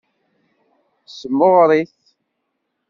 Semɣer-it.